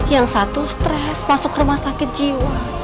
yang satu stres masuk rumah sakit jiwa